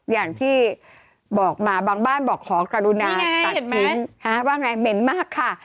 อย่างที่บอกมาบางบ้านบอกของการุนาศมีไงเห็นไหมฮะมันเนี้ยเม้นมากค่ะ